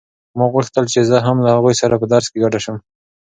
ما غوښتل چې زه هم له هغوی سره په درس کې ګډه شم.